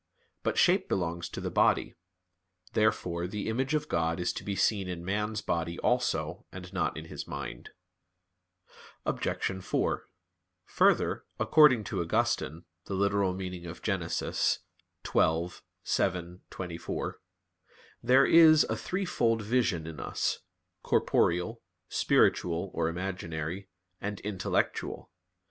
But shape belongs to the body. Therefore the image of God is to be seen in man's body also, and not in his mind. Obj. 4: Further, according to Augustine (Gen. ad lit. xii, 7,24) there is a threefold vision in us, "corporeal," "spiritual," or imaginary, and "intellectual."